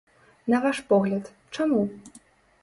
На ваш погляд, чаму?